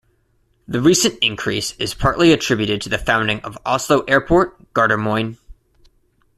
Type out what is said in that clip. The recent increase is partly attributed to the founding of Oslo Airport, Gardermoen.